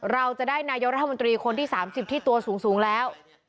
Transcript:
เราจะได้นายกรัฐมนตรีคนที่๓๐ที่ตัวสูงแล้ว